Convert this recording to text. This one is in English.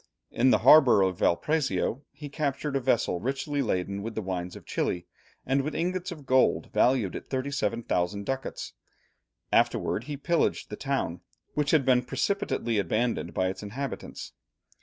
In the harbour of Valparaiso he captured a vessel richly laden with the wines of Chili, and with ingots of gold valued at 37,000 ducats; afterwards he pillaged the town, which had been precipitately abandoned by its inhabitants.